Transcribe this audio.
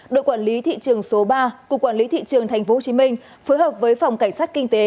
đội quản lý thị trường số ba cục quản lý thị trường tp hcm phối hợp với phòng cảnh sát kinh tế